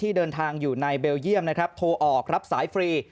เดินทางอยู่ในเบลเยี่ยมนะครับโทรออกรับสายฟรี